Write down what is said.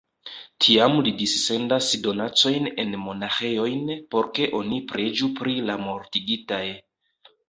Tiam li dissendas donacojn en monaĥejojn, por ke oni preĝu pri la mortigitaj.